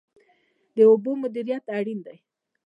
د اوبو مدیریت اړین دی.